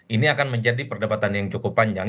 ini akan menjadi perdebatan yang cukup panjang